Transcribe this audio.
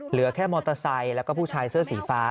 เหลือแค่มอเตอร์ไซค์แล้วก็ผู้ชายเสื้อสีฟ้า